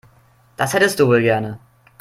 Das hättest du wohl gerne.